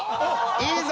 いいぞ！